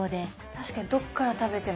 確かにどっから食べても。